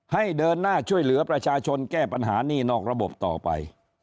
ให้เดินหน้าช่วยเหลือประชาชนแก้ปัญหานี่นอกระบบต่อไป